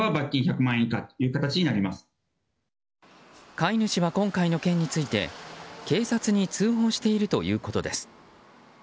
飼い主は、今回の件について警察に通報しているということです。